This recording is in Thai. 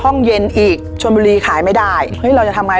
ห้องเย็นอีกชนบุรีขายไม่ได้เฮ้ยเราจะทำไง